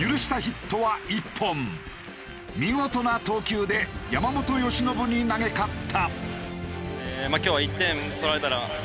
見事な投球で山本由伸に投げ勝った。